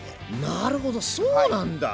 なるほどそうなんだ！